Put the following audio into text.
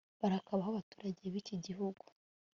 barakabaho abaturage b'iki gihugu